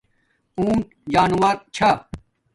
اونٹ جانوور چھا